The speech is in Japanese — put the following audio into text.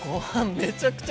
めちゃくちゃ。